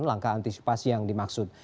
langkah antisipasi yang dimaksud